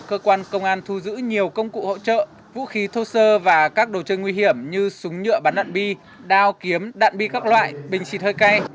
cơ quan công an thu giữ nhiều công cụ hỗ trợ vũ khí thô sơ và các đồ chơi nguy hiểm như súng nhựa bắn đạn bi đao kiếm đạn bi các loại bình xịt hơi cay